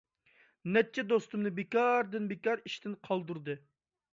نەچچە دوستۇمنى بىكاردىن-بىكار ئىشتىن قالدۇردى.